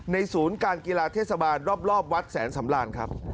ศูนย์การกีฬาเทศบาลรอบวัดแสนสำรานครับ